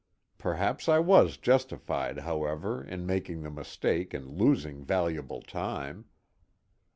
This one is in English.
Perhaps I was justified, however, in making the mistake and losing valuable time.